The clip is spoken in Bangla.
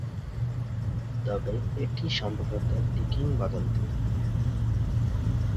তবে এটি সম্ভবত একটি কিংবদন্তি।